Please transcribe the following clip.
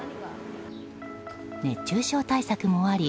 熱中症対策もあり